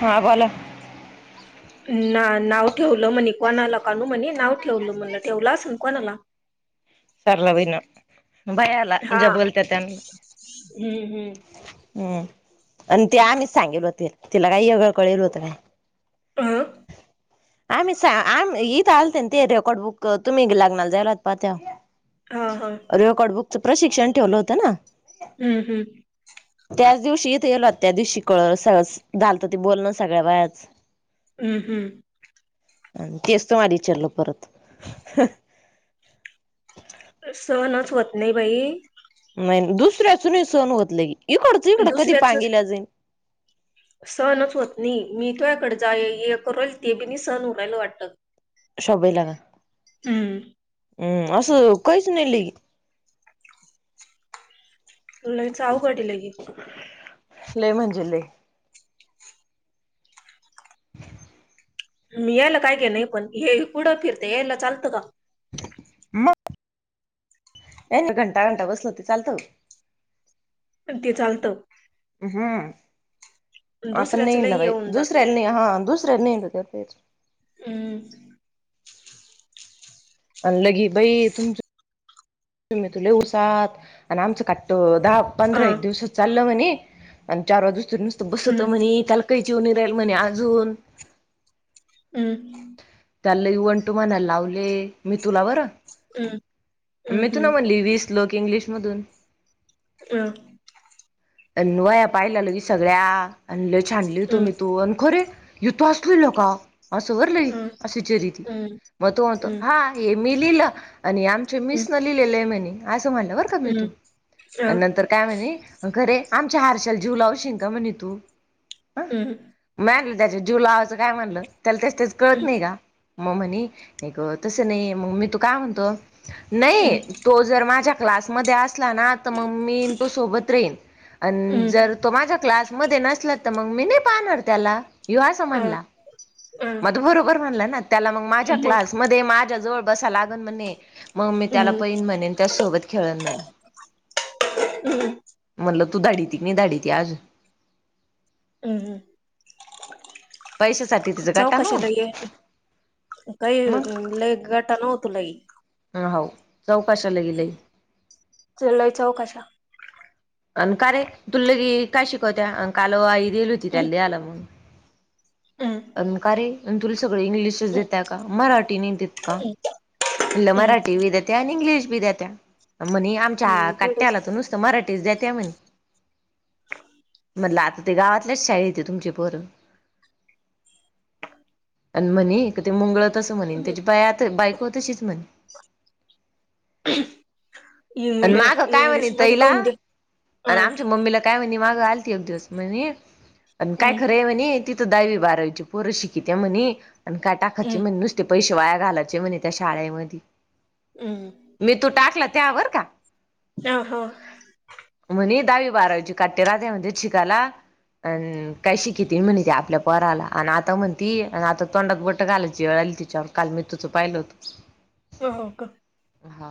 हा बोला ना नाव ठेवलं म्हणे कोणा लोकांनू म्हणे नाव ठेवलं म्हणलं ठेवलं असन कोणाला. सरला भयनं भयाला हा ज्या बोलता त्यांना हम्म हम्म हम् आणि ते आम्हीच सांगेल होते, तिला काही एगळ कळेल होत काय म आ आम्ही सा आम इथ आलते ना ते रेकॉर्ड बुक तुम्ही लग्नाला जायलात पहा हा हा तेव्हा रेकॉर्ड बुकचं प्रशिक्षण ठेवलं होतं ना? हम्म हम्म त्याच दिवशी इथे गलो त्या दिवशी कळ स झालतं ते बोलणं सगळ्या बायाचं. हम्म हम्म आणि तेच तोमाला विचारलं परत. सहनच होत नाही बाई. नाही दुसऱ्याचं नाय सहन होत लगि इकडचं इकडं कधी दुसऱ्याच पांगिला जाईल. सहनच होत नाही, मी तूयाकडे जाय ये करल ते बी नाय सहन हू राहायल वाटतं. साऊबाईला का? हम्म हम्, असं काहीच नाय ली लयच अवघड [unintelligible] लय म्हणजे लय. [unintelligible] मी यायला काय गे नाही, पण हे पुढं फिरते यायला चालतं का? म यांनी घंटा घंटा बसलं ते चालतं? ते चालतं. हम्म, आपण दुसऱ्याच नाही लय इनल हे बाई होऊन जातं दुसऱ्याला नाही हा दुस [unintelligible] हम् अन् लगी बाई तुमचं‌ तुम्ही तुले उसात, आणि आमचं काट्ट दहा अ पंधरा एक दिवस चाललं म्हणे, आणि चार वाजुस्तर नुसतं बसत हम्म म्हणे, त्याला काहीच इऊन राहिल म्हणे अजून. हम्म त्याला लय वन टु म्हणायला लावले म्हणे, मी तुला बरं हम्म हम्म मी तुला हम्म म्हणली वीस लोक इंग्लिशमधून. हम अन वाया पाहिल्या लगी सगळ्या, अन लय् छान लिहितो हम्म मी तू अन खरे हि तौच लिहला का? [unintelligible] असं अ विचरी ती मग तो म्हणतो हा हे मी लिहिलं आणि आमचे मिस न लिहिलेले आहे म्हणे, असं म्हणलं बरं का मीतु, आणि नंतर काय म्हणे? खरे आमच्या हार्षाला जीव लावशिन का म्हणे तू? हम्म त्याच्यात जीव लावायचं काय हाय म्हणलं, त्याला तेज तेज कळत नाही का? मग म्हणे, हे ग तसं नाही मग मीतु काय म्हणतो, नाही तो जर माझ्या क्लास मध्ये असला ना तर म मी अन तो सोबत रैन अन जर तो माझ्या क्लासमध्ये नसला तर मग मी नाही पाहणार त्याला. ह्यो अस म्हणला, अ, म तो बरोबर म्हणला ना त्याला मग माझ्या मग क्लासमध्ये माझ ज्या जवळ बसा लागन म्हणे. मग मी त्याला हम्म, पहीन म्हणेन त्या सोबत खेळन म्हणे. हम्म, म्हलं तू धाडी ती मी धाडी ती आज हम्म हम् पैशासाठी तिचा कटा मग काही लय गाटा नव्हतो लय हा हो जाऊ कशाला गेलंय चलय चौ कशा अ का रे तु ले काय शिकवत्या अ काल आई दिेली होती हम्म, त्याला आला म्हगून हम्म, अंकारे तु इंग्लिश हम्म, देत्या का मराठी नाही देत का म्हणलं हम्म, मराठी देते आणि इंग्लिश दात्या म्हणे आमच्या हम्म. तेवढंच. काट्यालात नुसतं मराठीच देत्या म्हणे म्हणलं आता ते गावातल्याच शाळ येत तुमचे पर आणि म्हणे का ते मुंगळात तसं म्हणेन हम्म. त्याची बाय आता बायको तशीच म्हणे आणि इंग्ल माग काय म्हणे इंग्लिश मध्ये तईला काऊन दे अ, आणि आमच्या मम्मीला काय म्हणे माग आलती एकग दिवस म्हने काय हम्म, खरं आहे म्ह तिथं दहावी बारावीची पोरं शिकी त्या म्हणे आणि काय टाकायचे हम्म, म्ह नुसते पैश वाया घालायचे म्हणे त्या शाळेमध्ये हम्म. मी तू टाकला त्यावर का अ हो म्हणे दहावी बारावीजची काट्टे राे म्हणते शिकाला अ काय शिक त म्हणती आपल्या पराला आणि आता म्हणती आता तोंडात बट घालायची तिच्यावर काल मी तुझं पाहिलं होत हो का हा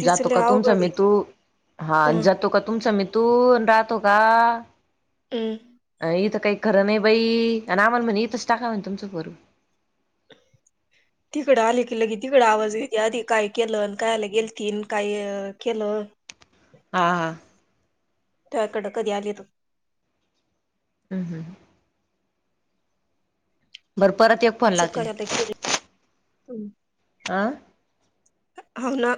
तिचं जातो लय का तुमच अवघड म आहे. तू हा हम्म, जातो का तुम स म तू. तू राहतो का हम् इथ काही खरं नाही बाई आणि आमण म्हणे इथच टाका म्ह तुमचं पोरगा तिकडं आले की ल की तिकड आवाज येते आधी काय केलं काय आला गेलतील काय केलं- हा हा त्याकडं कधी आली त हम्म हम् बरं परत एक फोन लावते ह् आं हो ना